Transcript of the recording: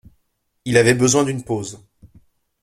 Il avait besoin d’une pause.